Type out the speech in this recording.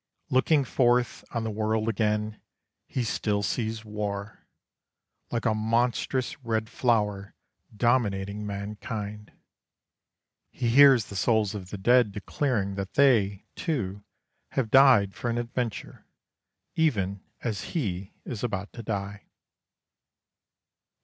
Looking forth on the world again he still sees war, like a monstrous red flower, dominating mankind. He hears the souls of the dead declaring that they, too, have died for an adventure, even as he is about to die.